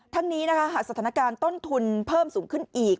ทั้งนี้นะคะหากสถานการณ์ต้นทุนเพิ่มสูงขึ้นอีก